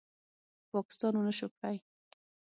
پاکستان ونشو کړې